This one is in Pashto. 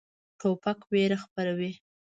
توپک ویره خپروي.